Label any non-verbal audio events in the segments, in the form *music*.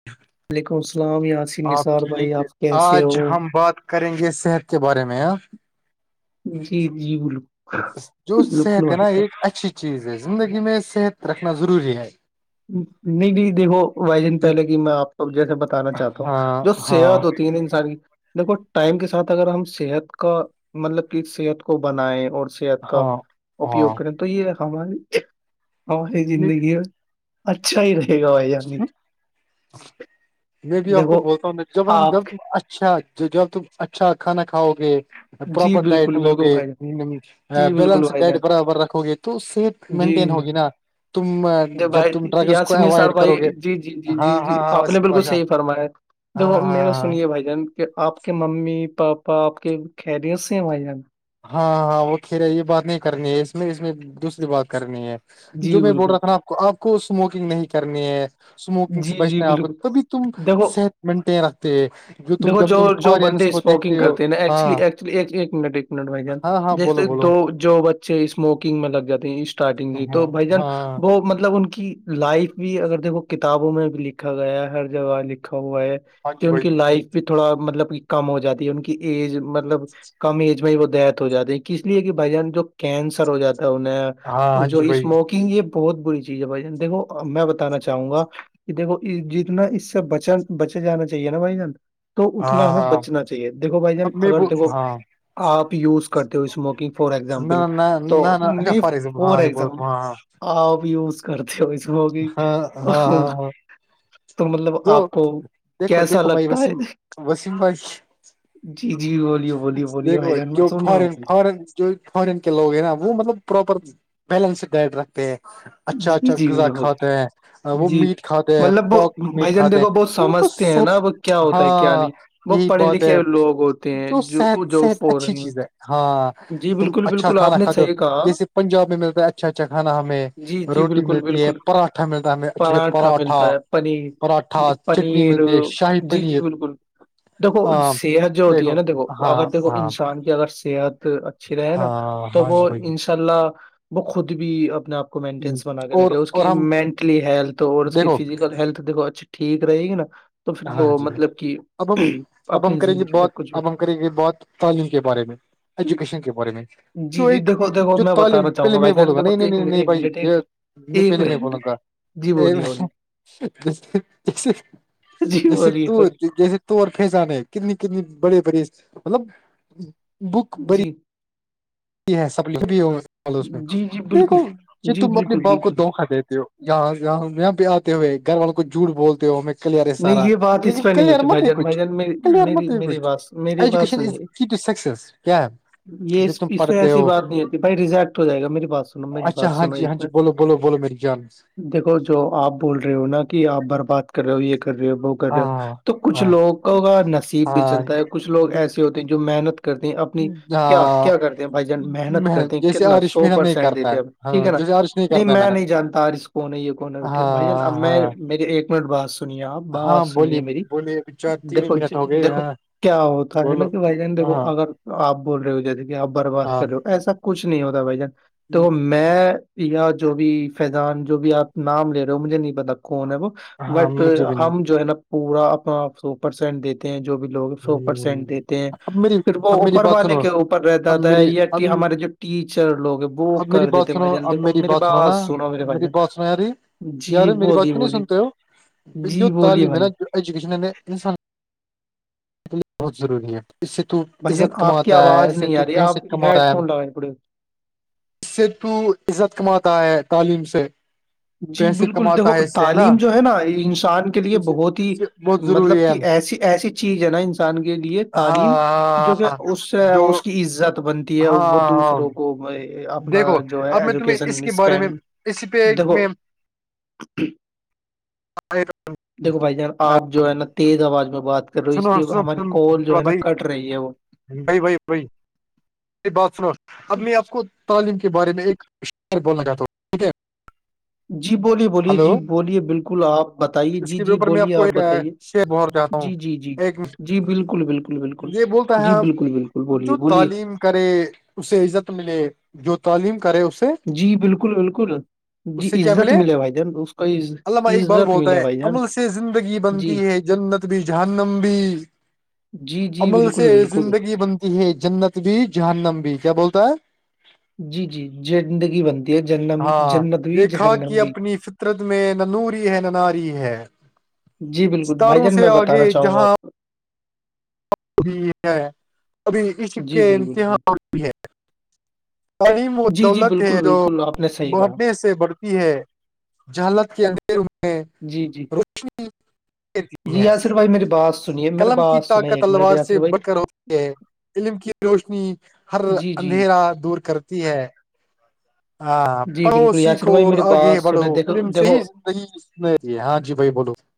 *inaudible* وعلیکم السلام یاسسیم آپ ٹھیک ہے آج ہم بات کریں گے صحت کے بارے میں آ جی جی بالکل جو بالکل صحت ہے بھائی نا ایک اچھی چیز ہے زندگی میں صحت رکھنا ضروری ہے نہیں جی دیکھو بھائی جان دیک پہلے کی میں آ پکو جیسے بھی بتانا چاہتا ہوں ہاں جو ہاں صحت ہوتی ہے انسانی دیکھو ٹائم کے ساتھ اگر ہم صحت کا مطلب کی صحت کو بنائے اور صحت کا ہاں اپیوگ ہاں کریں تو یہ ہے ہماری ہماری میں زندگی ہے اچھا ہی رہے گا بھائی جان میں بھی آپ کو دیکھو بولتا ہوں نا جب ہم آپ جب تم اچھا جب تم اچھا کھانا کھاؤ گے جی پراپر بالکل ڈائٹ لو بالکل گے بھائی جان جی بالکل بیلنس بھائی ڈائٹ جان برابر رکھو گے تو صحت مینٹین جی ہوگی نا تم جی جب تم بھائی ڈرگس کو یاسین نثار اوائڈ بھائی کرو گے جی جی جی ہاں جی ہاں جی ہاں آپ نے بالکل پاشا صحیح فرمایا ہاں دیکھو ہاں میرا ہاں سنیے بھائی جان کہ آپ کے ممی پاپا آپ کے خیریت سے ہیں بھای جان ہاں ہاں وہ خیر ہے یہ بات نہیں کرنی ہے اس میں اس میں دوسری بات کرنی ہے جو جی میں بول رہا بالکل تھا نا آپ کو آپ کو اسموکنگ نہیں کرنی ہے اسموکنگ سے جی جی بچنا ہے آپ کو بالکل تبھی تم دیکھو صحت مینٹین رکھتے ہیں تم دیکھو جب جو تم جو فورینس بندے کو اسموکنگ دیکھتے ہو کرتے ہیں نا ایکچولی ہاں ایکچلی ایک منٹ بھائی جان ہاں ہاں بولو جیسے بولو دو جو بچے اسموکنگ میں لگ جاتے ہیں اسٹارٹنگ سے ہاں تو بھائی جان ہاں وہ مطلب ان کی لائف بھی اگر دیکھو کتابوں میں بھی لکھا گیا ہے ہر جگہ لکھا ہوا ہے ہاں کہ جی ان بھائی کی لائف بھی تھوڑا مطلب کہ کم ہو جاتی ہے ان کی ایج مطلب کم ایج میں ہی وہ ڈیتھ ہو جاتی ہے ک اس لیے کہ بھائی جان جو کینسر ہو جاتا ہے ہاں انہیں ہاں جو جی بھائی اسموکنگ یہ بہت بری چیز ہے بھائی جان دیکھو میں بتانا چاہوں گا کہ دیکھو جتنا اس سے بچ بچے جانا چاہیے نا بھائی جان تو ہاں اتنا ہمیں ہاں بچنا چاہیے دیکھو بھائی جان اب میں اگر دیکھو ہاں آپ یوز کرتے ہو اسموکنگ فور نہ ایزامپل نہ تو نہ نہ اچھا نہیں فار ایگزامپل فور ہاں یہ بہت ایگزامپل ہاں آپ یوز کرتے ہو اسموکنگ ہاں ہاں تو ہاں ہاں تو مطلب دو آپ کو دیکھو کیسا دیکھو بھائی لگتا ہے وسیم وسیم بھائی جی جی بولیے بولیے بولیے بھائی دیکھو جان میں جو سن رہا فورن ہوں فارن جو فورن کے لوگ ہیں نا وہ مطلب پراپر بیلنس ڈائٹ رکھتے ہیں اچھا جی اچھا جی غذا بالکل کھاتے ہیں وہ جی میٹ کھاتے ہیں مطلب وہ پواک میٹ بھائی جان کھاتے دیکھو وہ ہیں ان کو سمجھتے ہیں نا صحت وہ کیا ہوتا ہے کیا ہاں نہیں وہ یہی پڑھے بہت لکھے ہے لوگ ہوتے ہیں جو صحت جو صحت اچھی فورن چیز ہے میں ہاں جی تم بالکل اچھا بالکل آپ کھانا نے کھا دو صحیح کہا جیسے پنجاب میں ملتا ہے اچھا اچھا کھانا ہمیں جی جی روٹی بالکل ملتی ہے بالکل پراٹھا ملتا ہے ہمیں اچھے پراٹھا ملتا ہے پنیر پراٹھا جی چٹنی پنیر ملتی ہے شاہی جی جی پنیر بالکل دیکھو ہاں صحت جو ہوتی ہے نا دیکھو ہاں اگر دیکھو ہاں انسان کی اگر صحت اچ چ رہے ہیں نا ہاں تو ہاں جی وہ بھائی انشاء اللہ وہ خود بھی اپنے آپ مینٹینس بنا کے اور رکھے اس اور کی ہم مینٹلی ہیلتھ اور اس کی دیکھو فیزیکل ہیلتھ دھو اچھی ٹھیک رہے گی نا تو پھر ہاں وہ جی مطلب کہ اب ہم اب ہم اپنی کریں گے زندگی میں بہت کچھ بھی- اب ہم کریں گے بہت تعلیم کے بارے میں ایجوکیشن کے بارے میں جی جو جی ایک دیکھو دیکھو جو میں تعلیم بتانا چاہوں پہلے میں بھائی جان بولوں گا دیکھو نہیں نہیں ایک نہیں منٹ نہیں ایک بھائی منٹ ایک یہ ایک پہلی میں منٹ بولوں گا جی بولیے بولیے جی جیسے بولیے تو بولیے۔ جیسے تو پھیجانے کتنی کتنی بڑے بڑے مطلب بک بری جی سب بھی ہو جی جی بالکل دیکھو ج جی تم اپنے بالکل باپ کو بالکل دھوکا دیتے ہو یہاں جاں یہاں پہ آتے ہوئے گھر والوں کو جھوٹ بولتے ہو میں کلیئر ہے نہیں سارا یہ بات اس لیکن پہ نہیں کلیئر ہوتی بھائی مت ہی جان بھائی کچھ جان میری کلیئر میری مت میری کچھ بات میری ایجوکشن از سکس کیا جب یس تم پ پڑھتے ایسی ہو بات نہیں ہوتی بھائی ریزیکٹ ہو جائے گا میری بات سنو میری اچھا بات ہاں سنو جی ایک ہاں جی میں بولو بولو بولو میری جان دیکھو جو آپ بول رہے ہو نا کہ آپ برباد کر رہے ہو یہ کر رہے ہو وہ کر رہ ہو ہاں تو کچھ ہاں لوگوں کو نصیب بھی ہاں چلتا ہے کچھ لوگ ایسے ہوتے ہیں جو محنت کرتے ہیں اپنی کیا ہاں کیا کرتے ہیں بھائی جان محنت کرتے ہیں جیسے کتنا آرش سو محنت نہیں پرسینٹ کرتا ہے دیتے آ ٹھیک ہاں ہے نا جیسے آرش نہیں کرتا ہے میں محنت نہیں جانتا آر اس کون ہے یہ کون ہےٹھ بھائی جان ہاں اب میں ہاں م ایک منٹ بات سنیے آپ ہاں بات سنی بولیے ہے میری بولیے چار تین دیکھو منٹ ہو گئے دیکھو ہاں کیا ہوتا ہے نا بولو کہ بھائی جان دیکھو ہاں اگر آپ بول رہے ہو جیسے کہ آپ برباد ہاں کر رہے ہو ایسا کچھ نہیں ہوتا بھائی جان تو ہم- میں یا جو بھی فیضان جو بھی آپ نام لے رہے ہو مجھے نہیں پتا کوون ہے وہ ہاں بٹ مجھے بھی نہیں ہم جو ہے نا پورا اپنا آپ س پرسینٹ دیتے ہیں جو بھی لوگ ہیں سو ہ پرسینٹ دیتے ہیں اب میری پھر وہ اب میری اوپر بات والے سنو کے اوپر رہتا اب تھا میری یا اب ہمارے جو ٹیچر لوگ ہیں وہ اب میری کر بات دیتےے سنو بھائی جان اب دیکھو میری سنو نا بات سناو میرے بھائی میری جان بات میں یاری یار جی میری بات بولیے کیوں نہیں بولیے سنتے ہو جو جی بولیے تعلیم ہے بھائی نا جو ایجوکشن انسان ے بہت ضروری ہے اس سے تو بھائی جان عزت آپ کی کماتا ہے آواز اسے نہیں تو آ رہی پس آپ ہیڈ کماتا ہے فون لگائے پڑے اس سے تو عزت کماتا ہے تعلیم سے جی پیسے بالکل دیکھو کماتا ہے اس سے تعلیم جو ہے نا انسان کے لیے اس بہت ہی اس سے بہت مطلب ضروری ہے کہ ایسی ایسی چیز ہے نا انسان کے لیے ہاں تعلیم جو ہاں کہ ہاں، اس سے جو اس کی عزت بنتی ہے ہاں وہ ہاں دوسروں کو اپ دیکھو جو ہے اب میں تمہیں اس ایجوکیشن کے بارے میں اسپین اسی پہ دیکھو میں ج *unintelligible* دیکو بھائی جان آپ جو ہے نا تیز آواز میں بات کر رہے ہو اس سنو لیے سنو ہماری کال جو ہے نا کٹ رہی ہے وہ ب بائی کوئی *unintelligible* بات سناو اب میں آپ کو تعلیم کے بارے میں ایک شعر بولنا چاہتا ہوں ٹھیک ہے جی بولی *unintelligible* بولیے ہلو جی بولیے بالکل آپ بتائیے اس جی کے جی اوپر میں بولیے کو آپ ایک بتائیے شیئر بہت چاہتا ہوں جی جی جی جی ایک جی بالکل بالکل بالکل یہ بولتا ہے جی بالکل بالکل بولیے جو بولیے تعلیم کرے اسے عزت ملے جو تعلیم کرے اس سے جی بالکل بالکل اس جی سے کیا عزت ملے بھائی جان اس کا عز- عامہ اقبال عزت بولتا ملے ہے بھائی جان عمل سے زندگی جی بنتی ہے جنت بھی جنمب جی جی عمل سے بالکل بالکل زندگی بنتی ہے جنت بھی جہنم بھی کیا بولتا ہے جی جی ج زندگی بنتی ہے جنم جنت بھی جہنم بھی ر میں ننوری ہے نناری ہے جی بالکل بھائی ستاروں جان سے میں آگے بتانا چاہوں گا جہاں آپ کو ابھی ہے ابھی عشق جی کے بالکل بالکل امتحان بھی ہے *unintelligible* تعلیم و جی جی دولت ہے بالکل جو بالکل آپ نے صحیح کہا بھنے سے بڑھتی ہے *unintelligible* جالت کے اندھیر میں جی جی ر *unintelligible* دیتی جی ہے یاسر بھائی میری بات سنیے میری قلم کی بات سنیں طاقت *unintelligible* ایک منٹ وار یاسر سے بھائی بکر ہوتی ہے علم کی روشنی ہر جی جی اندھیرا *unintelligible* دور کرتی ہے ہاں جی پڑھو بالکل یاسر سیکھو بھائی اور میری آگے بات بڑھو سنیں دیکھو علم صی دیکھو *unintelligible* ہے ہاں جی بھائی بولو *unintelligible*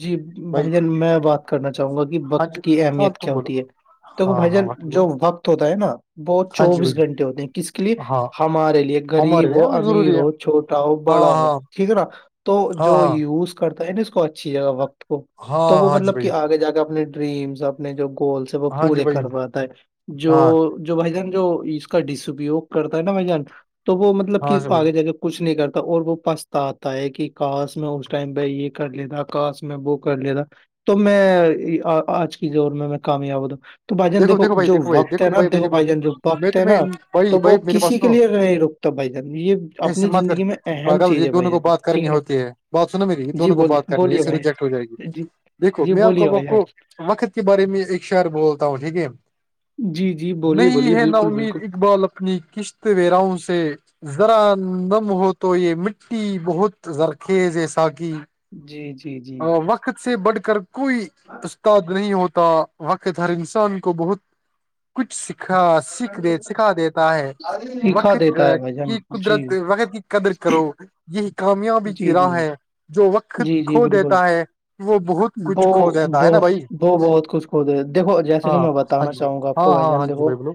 جی بھائی جان میں بات کرنا چاہوں گا کہ ہاں وقت جی کی ہاں اہمیت تم کیا بولو ہوتی ہے دیکھ ہاں بھائی ہاں جان بول جو وقت ہوتا ہے نا بہت ہاں جی بھائی چوبیس گھنٹے ہوتے ہیں اس لیے ہاں ہمارے لیے ہمارے غریب ہو لیے امیر ضروری ہے ہو چھوٹا ہو ہاں بڑا ہو ہاں ٹھیک ہے نا تو ہاں جو ہاں یوز کرتا ہے نا اس کو اچھی جگہ وقت تو ہاں وہ ہاں جی مطلب بھائی کہ آگے جا کے اپنے ڈریمس اپنے جو گولس وہ ہاں جی پورے بھائی کرواتا ہے جو ہاں جو بھائی جان جو اس کا ڈسپیوگ کرتا ہے نا بھائی جان تو وہ مطلب کہ ہاں س بھائی آگے جا کے کچھ نہیں کرتا اور وہ پچتا آتا ہے کہ کاش میں اس ٹائم ب یہ کر لیتا *unintelligible* کااش میں وہ کر لیتا تو میں آج کی زور میں میں کامیاب ہوتا تو بھائی جان دیکھو جو وقت ہے نا دیکھو بھائی جان جو میں وقت ہے تمہیں نا بھائی تو وہ بھائی میری بات کسی کے سنو لیے نہیں رک تو بھائی جان یہ ایسے اپنی مت کر زندگی میں اہم پاگل یہ چیز ہے بھائی دونوں کو جان بات ٹھیک کرنی ہے نا ہوتی بات سنو میری یہ جی دونوں کو بولیے بات کرنی ہے بولیے سے بھائی ریجیکٹ ہو جائے گی جی دیکھو جی میں آ بولیے کوب آپ بھائی جان کو وقت کے بارے میں ایک شہر ب *unintelligible* ہوں ٹھیک ہے جی جی بولیے نہیں بولیے ہے نا بالکل امید بالکل اقبال ا اپنی قشت ویراؤں سے ذرا دم ہو تو یہ مٹی بہت زرخیز جیسااک *unintelligible* جی جی جی ت سے بڑھ کر کوئی استاد نہیں ہوتا *unintelligible* وقت ہر انسان کو بہت کچھ سکھا سھ سکھا دیتا ہے وقت دیتا ہے بھائی جان کی جی قدرت وقت کی قدر کرو یہ کامیابی کی جی جی راہ ہے جو وقت جی جی کھو بالکل دیتا ہے وہ بہت کچھ وہ کھو دیتا ب ہے نا بھائی وہ بہت کچھ ک دے دیکھو جیسے کہ ہاں میں بتا ہاں بتانا جی چاہوں گا آپ ہاں کو بھائی ہاں ہاں جان جی دیکھو بھائی بولو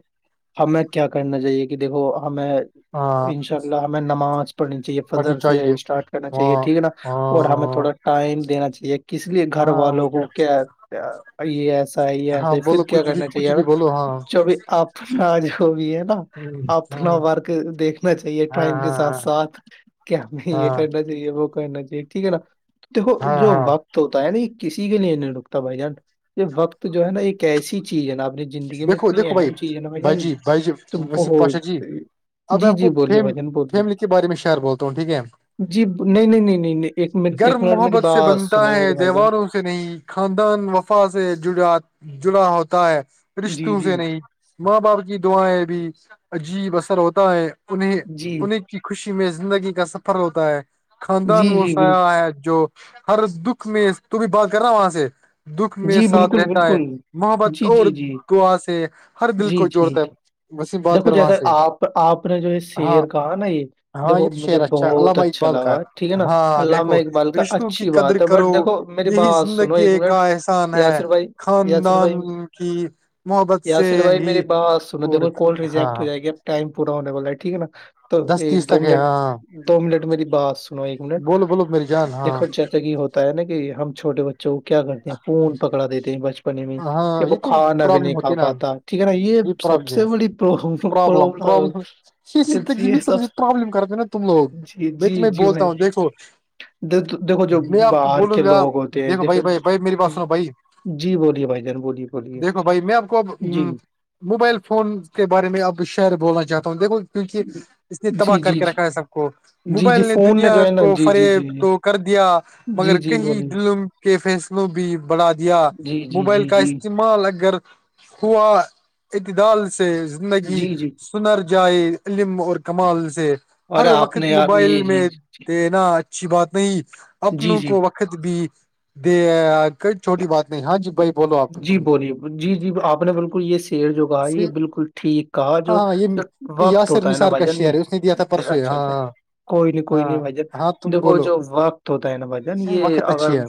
ہمیں کیا کرنا چاہیے کہ دیکھو ہمیں ان ہاں انشاء اللہ ہمیں نماز پڑھنی چاہیے پڑھنی فدر سے چاہیے اسٹارٹ کرنا ہاں چاہیے ٹھیک ہے نا اور ہمیں ہاں تھوڑا ٹائم دینا چاہیے کس لیے گھر ہاں وہ والوں کو کیا یہ ہی ہاں ایسے ہی پھر بولو کیا کچھ بھی کرنا کچھ چاہیےا بھی بولو ہاں جو بھی اپنا جو بھی ہے نا ہاں اپنا ہاں ورک دیکھنا چاہیے ہاں ٹائم کے ہاں ساتھ ساتھ کہ ہمیں یہ ہاں کرنا وہ کہنا چاہیے ٹھیک ہے نا دیکھو ہاں جو ہاں وقت ہوتا ہے ن کسی کے لیے نہیں رکتا بھائی جان یہ وقت جو ہے نا ایک ایسی چیز ہے نا آپ نے زندگی میں دیکھو اتنی دیکھو بھائی اہم چیز ہے نا بھائی جان جی بھائی جی تو وسیم بہت پاشا جی اب میں جی آپ جی کو بولیے فیم بھجن بولیے فیملی کے بارے میں شعر بولتا ہوں ٹھیک ہے جی نہیں نہیں نہیں نہیں نہیں ایک م *unintelligible* گھر ایک منٹ مھی محبت سے بس بنتا سون ہے میرے بائی جان *unintelligible* دیواروں سے نہیں خاندان وفا سے جا جڑا ہوتا ہے جی رشتوں جی سے نہیں ماں باپ کی دعائیں بھی عجیب اثر ہوتا ہے انیں جی انہیں کی خوشی میں زندگی کا سفر ہوتا ہے خاندان جی وہ جی بالکل سیا ہے جو ہر دکھ میں ت بھی بات کر رہا وہاں سے دکھ میں جی ساتھ بالکل رہتا ہے بالکل محبت جی اور جی جی دعا سے ہر دل جی کو جی جوڑتا ہے وسیم بات دیکھو کر وہاں جیسے سے آپ آپ نے جو یہ ہاں شعر کہا نا یہ ہاں دیکھو یہ تو مجھے شیر اچھا بہت علامہ اچھا اقبال کا لگا ٹھیک ہے نا ہاں علامہ دیکھو اقبال کا رشتوں کی اچھی قدر بات ہے بٹ کرو دیکھو میری یہی بات سنو زندگی ایک منٹ کا احسا یاسر بھائی یاسر خاندان بھائی کی محبت سے یاسر بھائی ہی اور ہاںاں ٹم پورا ہونے والا ہے ٹھیک ہے نا تو دس یہ تیس دو تک ہے منٹ ہاں دو منٹ میری بات ایک منٹ بولو بولو میری جان ہاں دیکھو جیسے کہ ہوتا ہے نا کہ ہم چھوٹے بچوں کو کیا کرتے ہیں فون پکڑا دیتے ہیں بچپنے میں کہ ہاں وہ یہ تو کھانا بھی پرابلم نہیں ہوتی کھا ہے نا پاتا ٹھیک ہے نا یہ سب پرابلم ہے سے پرابلم بڑیلم پرابلم یہ زندگی یہ میں سب سے پرابلم کرتے ہیں نا تم لوگ جی میں جی تمہیں جی بولتا بھائی ہوں دیکھو دیکھ- دیکھو جو میں آپ کو باہر بولوں کے گا لوگ ہوتے ہیں دیکھو بھائی بھائی جو- بھائی میری پاس بھائی جی بولیے بھائی جان بولیے بولیے دیکھو بھائی میں آپ کو اب جی موبائل فون کے بارے میں آپ کو شعر بولنا چاہتا ہوں دیکھو کیونکہ اس نے تباہ جی کر جی کے جی رکھا ہے سب کو جی موبائل جی نے فون دنیا جو ہے نا کو جی جی جی فریب جی تو کر دیا جی مگر جی کہیں بولیے دلم کے فیصلوں بھی بڑھا دیا جی جی موبائل جی کا جی استعمال اگر ہوا اعتدال سے زندگی جی جی سنر جائے علم اور کمال سے اور ہر آپ وقت نے یار موبائل یہ جی میں دینا اچھی بات نہیں جی اپنوں جی کو وقت د بھی د ک چھوٹی بات نہیں ہاں جی بائی جی بولیے جی جی آپ نے بالکل یہ س شیر جو کہا یہ ہاں بالکل ٹھیک کہا جو ہاں یہ وقت یاسر ہوتا ہے نا نثار بھائی کا جان یہ شعر ہے اس نے دیا تھا پرسوے اچھا ہاں اچھا ہاں کوئی نہیں کوئی نہیں ہاں بھائی ہاں جان تم دیکو بولو جو وقت ہوتا ہے نا بھائی جان یہ وقت اگر اچھی ہے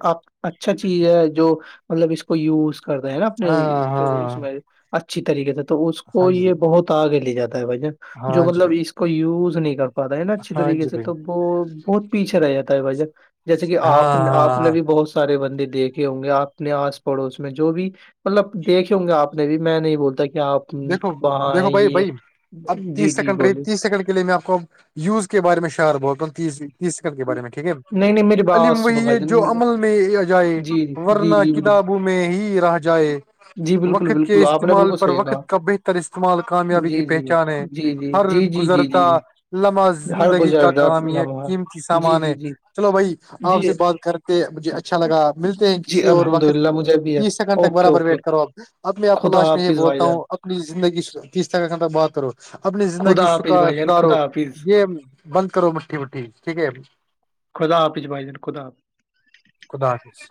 آ اچھا چیز ہے جو مطلب اس کو یوز کرتے ہے نا اپنے ہاں جو اس ہاں میں اچھی طریقے سے تو اس ہاں کو جی یہ بھائی بہت آگے لے جاتا ہے بھ ج جو ہاں جی مطلب بھائی اس کو یوز نہیں کر پاتا ہے نا اچھی ہاں طریقے جی سے بھائی تو وہ بہت پیچھے رہ جاتا ہے بھہ جیسے کہ ہاں آپ نے آپ ہاں نے ہاں بھی بہت سارے بندے دیکے ہوں گے آپ اپنے آس پڑوس میں جو بھی مطلب دیکھے ہوں گے آپ نے بھی میں نہیں بولتا کہ آپ دیکھو وہاں ہیں دیکھو بھائی یہ بھائی اب جی تیس جی سیکنڈ رہی بولیے تیس سیکنڈ کے لیے میں آپ کو یوز کے بارے میں شار بوتل تیزی کل کے بارے میں ٹھیک ہے نہیں نہیں میری بات عم سنو وہی ہے بھائی جان جو میرے- عمل میں اجائے جی جی ورنہ جی جی بالکل کتاب میں ہی رہ جائے جی بالکل وقت کے بالکل آپ نے استعمال بالکل پر صحیح کہا وقت کا بہتر استعمال کامیابی کی جی جی پہچان ہے جی جی ہر جی جی جی گزرتا جی لمحہ ہر زندگی کا گزردات کام یہ لمحہ قیمتی جی سامان ہے جی جی چلو بھائی آپ جی سے بات کر مجھے اچھا لگا ملتے ہیں جی کسی اور الحمد وقت للہ مجھے بھی ہے تیس سیکنڈ تک اوکے برابر اوکے ویٹ کرو ا ابھی آپ کو خدا لاسٹ میں یہ حافظ بھائی بولتا ہوں جان اپنی زندگی تیس ت ک بات کرو اپنی زندگی خدا حافظ سکھا بھائی جان سدھارو خدا حافظ یہ بند کرو مٹھی وٹھی ٹھیک ہے خودداپچ بائی دانن خودد آپ خدا حافظ